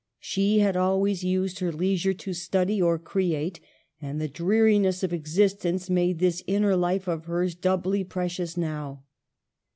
She had always used her lei sure to study or create ; and the dreariness of existence made this inner life of hers doubly precious now.